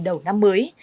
đầu năm mới